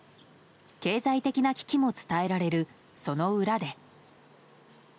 経済的な危機も伝えられるその裏で。